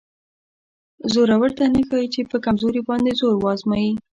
زورور ته نه ښایي چې په کمزوري باندې زور وازمایي.